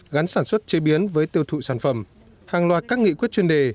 gắn sản xuất chế biến với tiêu thụ sản phẩm hàng loạt các nghị quyết chuyên đề